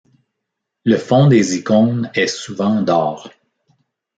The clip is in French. Le fonds des icônes est souvent d'or.